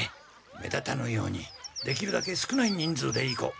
目立たぬようにできるだけ少ない人数で行こう。